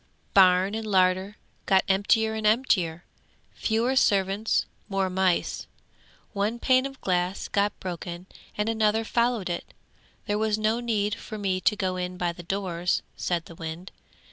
'Barn and larder got emptier and emptier. Fewer servants; more mice. One pane of glass got broken and another followed it. There was no need for me to go in by the doors,' said the wind.